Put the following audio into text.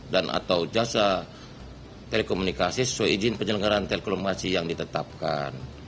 dan atau jasa telekomunikasi sesuai izin penyelenggaraan telekomunikasi yang ditetapkan